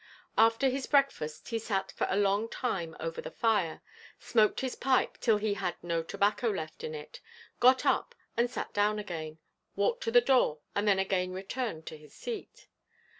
After his breakfast he sat for a long time over the fire, smoked his pipe till he had no tobacco left in it, got up and sat down again, walked to the door and then again returned to his seat.